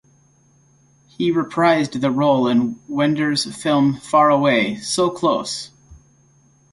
He reprised the role in Wenders' film Faraway, So Close!